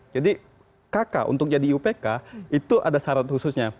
jadi kk untuk jadi iupk itu ada syarat khususnya